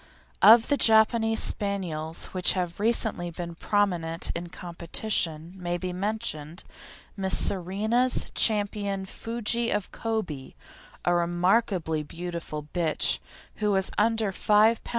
Of the Japanese Spaniels which have recently been prominent in competition, may be mentioned Miss Serena's Champion Fuji of Kobe, a remarkably beautiful bitch, who was under 5 lb.